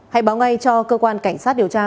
hãy báo ngay cho cơ quan cảnh sát điều tra